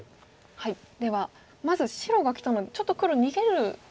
ではまず白がきたのでちょっと黒逃げること。